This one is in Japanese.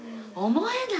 思えない！